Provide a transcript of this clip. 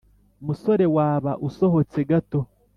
musore waba usohotse gato"